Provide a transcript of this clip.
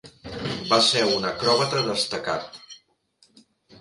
Va ser un acròbata destacat.